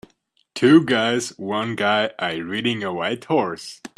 Two guys one guy i ridding a white horse.